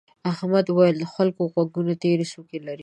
احمد وويل: د خلکو غوږونه تيرې څوکې لري.